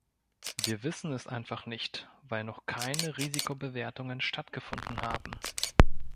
Wir wissen es einfach nicht, weil noch keine Risikobewertungen stattgefunden haben.